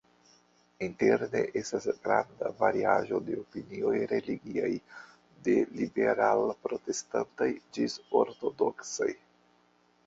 Interne estas granda variaĵo de opinioj religiaj: de liberal-protestantaj ĝis ortodoksaj.